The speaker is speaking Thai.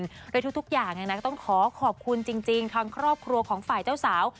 โดยทุกอย่างก็ต้องขอขอบคุณจริงทางครอบครัวของฝ่ายเจ้าสาว